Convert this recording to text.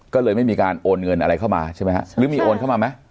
ก็เลยไม่มีการโอนเงินอะไรเข้ามาใช่ไหมฮะหรือมีโอนเข้ามาไหม